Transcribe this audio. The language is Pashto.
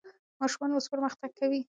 ماشومان اوس پرمختګ کوي.